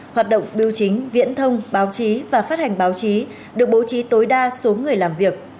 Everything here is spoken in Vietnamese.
hoạt động biểu chính viễn thông báo chí và phát hành báo chí được bố trí tối đa số người làm việc